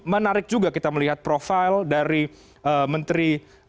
menarik juga kita melihat profil dari menteri